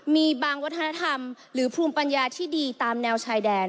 มีบางวัฒนธรรมหรือภูมิปัญญาที่ดีตามแนวชายแดน